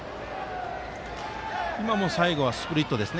今も最後はスプリットです。